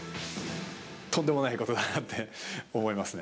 とんでもないことだなって思いますね。